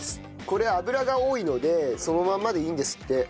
これ脂が多いのでそのままでいいんですって。